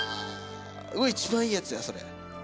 うわ一番いいやつやそれ。